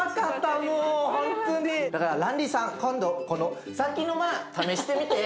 だからランディさん今度この「鷺沼」試してみて。